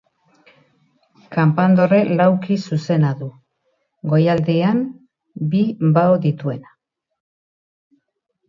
Kanpandorre laukizuzena du, goialdean bi bao dituena.